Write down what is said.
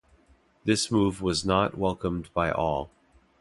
This move was not welcomed by all.